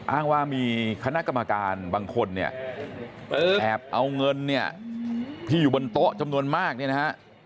อ้างว่ามีคณะกรรมการบางคนเนี่ยแอบเอาเงินเนี่ยที่อยู่บนโต๊ะจำนวนมากเนี่ยนะฮะ